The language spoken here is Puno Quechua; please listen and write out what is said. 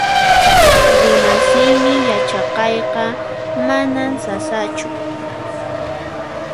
Runasimi yachaqayqa manan sasachu